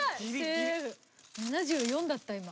７４だった今。